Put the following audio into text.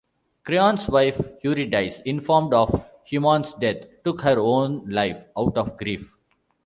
Creon's wife Eurydice, informed of Haemon's death, took her own life out of grief.